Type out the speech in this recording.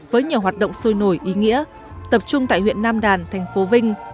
với nhiều hoạt động sôi nổi ý nghĩa tập trung tại huyện nam đàn thành phố vinh